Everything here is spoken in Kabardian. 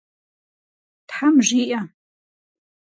Тхьэм жиӏэ!